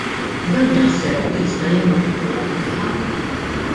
Dan jaħseb li jista' jimmanipula lil kulħadd?